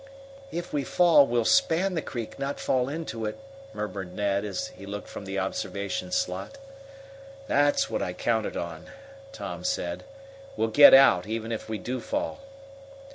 "If we fall, we'll span the creek, not fall into it," murmured Ned, as he looked from the observation slot. "That's what I counted on," Tom said. "We'll get out, even if we do fall."